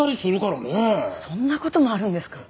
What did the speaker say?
そんな事もあるんですか。